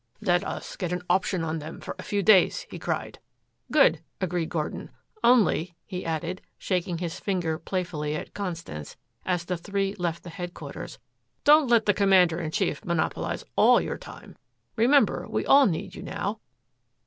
"Let us get an option on them for a few days," he cried. "Good," agreed Gordon, "only," he added, shaking his finger playfully at Constance, as the three left the headquarters, "don't let the commander in chief monopolize ALL your time, Remember, we all need you now.